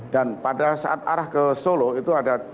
dan pada saat arah ke solo itu ada tanjakan